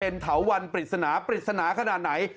เถาวันปริศนาปริศนาขนาดไหน